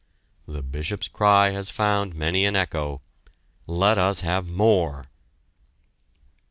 The Bishop's cry has found many an echo: "Let us have more."